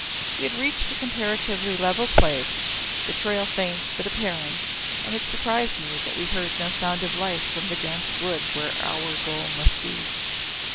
We had reached a comparatively level place, the trail faint but apparent, and it surprised me that we heard no sound of life from the dense wood where our goal must be.